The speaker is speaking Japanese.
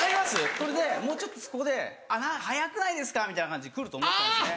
それでもうちょっとそこで早くないですかみたいな感じでくると思ったんですね。